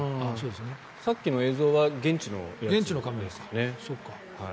さっきの映像は現地のやつですかね。